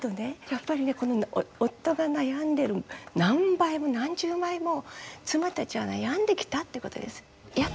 やっぱりね夫が悩んでる何倍も何十倍も妻たちは悩んできたってことです。